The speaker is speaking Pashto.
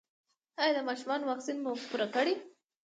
ایا د ماشومانو واکسین مو پوره کړی؟